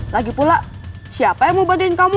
lagi pula siapa yang mau bandingin kamu